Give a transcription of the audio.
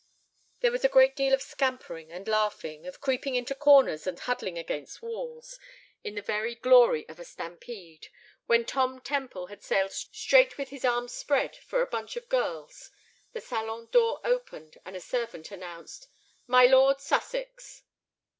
There was a great deal of scampering and laughing, of creeping into corners and huddling against walls. In the very glory of a stampede, when Tom Temple had sailed straight with his arms spread for a bunch of girls, the salon door opened, and a servant announced: "My Lord Sussex."